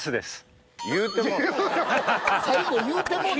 最後言うてもうたし。